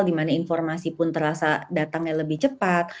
dimana informasi pun terasa datangnya lebih cepat